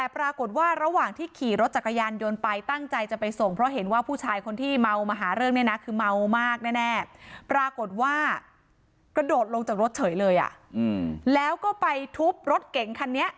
ปรากฏว่ากระโดดลงจากรถเฉยเลยอ่ะอืมแล้วก็ไปทุบรถเก่งคันเนี้ย